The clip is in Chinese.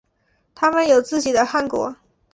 他们有自己的汗国。